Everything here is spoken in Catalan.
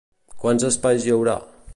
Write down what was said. Quants espais hi haurà?